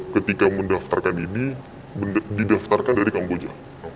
ketika mendaftarkan ini didaftarkan dari kamboja